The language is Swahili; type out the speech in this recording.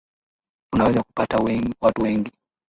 Unaweza kupata watu wengi